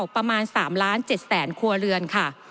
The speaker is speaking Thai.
ประมาณ๓๗๐๐๐๐๐ครัวเรือน